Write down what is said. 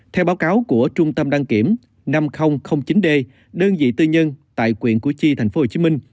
theo báo cáo của trung tâm đăng kiểm năm nghìn chín d đơn vị tư nhân tại quyện củ chi tp hcm